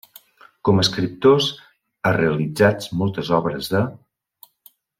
Com a escriptors a realitzats moltes obres de: